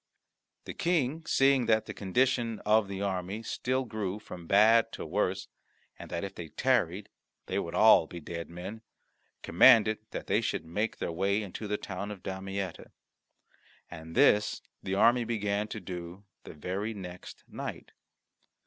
The King, seeing that the condition of the army still grew from bad to worse, and that if they tarried they would all be dead men, commanded that they should make their way into the town of Damietta. And this the army began to do the very next night.